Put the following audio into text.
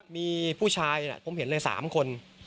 มีผู้ชายผมเห็นเลย๓คน